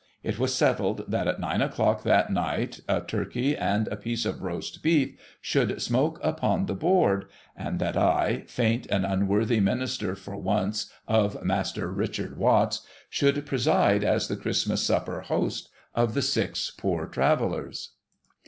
It was settled that at nine o'clock that night a Turkey and a piece of Roast Beef should smoke PREPARING THE WASSAIL r^y upon the board ; and that I, faint and unworthy minister for once of Master Richard Watts, should preside as the Christmas supper host of the six Poor Travellers.